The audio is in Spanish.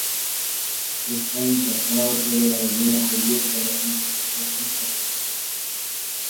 Está emplazado sobre la Avenida Julieta y la Ruta Interbalnearia.